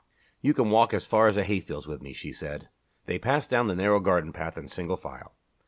"You can walk as far as the hayfield with me," she said. They passed down the narrow garden path in single file.